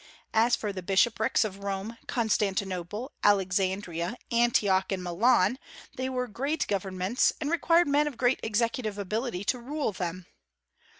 As for the bishoprics of Rome, Constantinople, Alexandria, Antioch, and Milan, they were great governments, and required men of great executive ability to rule them.